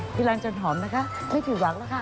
พี่รังจนหอมนะคะไม่ผิดหวังแล้วค่ะ